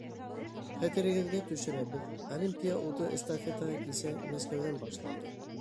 Хәтерегеҙгә төшөрәбеҙ, Олимпия уты эстафетаһы кисә Мәскәүҙән башланды.